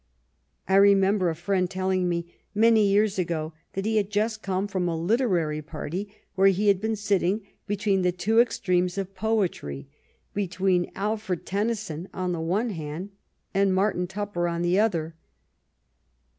I remember a friend tell ing me, many years ago, that he had just come from a literary party where he had been sitting between the two extremes of poetry: between Alfred Tennyson on the one hand and Martin Tupper on the other.